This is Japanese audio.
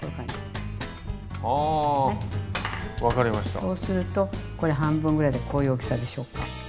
そうするとこれ半分ぐらいでこういう大きさでしょうか。